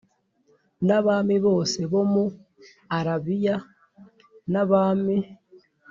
N abami bose bo mu arabiya n abami